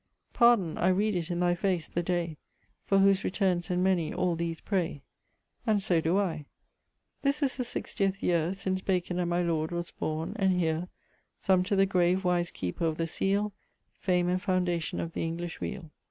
Pardon, I read it in thy face, the day, For whose returnes, and many, all these pray: And so doe I. This is the sixtieth yeare Since Bacon, and my lord, was borne, and here, Sonne to the grave wise Keeper of the Seale, Fame and foundation of the English weale.